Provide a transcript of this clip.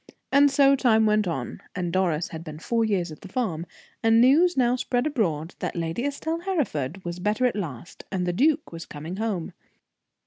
And so time went on, and Doris had been four years at the farm, and news now spread abroad that Lady Estelle Hereford was better at last, and the duke was coming home.